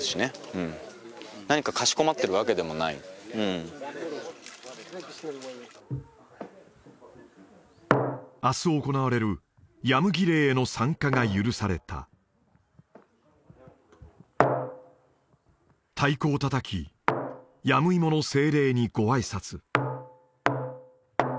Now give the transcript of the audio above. うん何かかしこまってるわけでもない明日行われるヤム儀礼への参加が許された太鼓を叩きヤムイモの精霊にごあいさつ